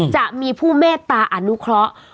จะมีผู้เมตตาอนุเคราะห์